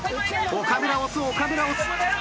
岡村押す岡村押す。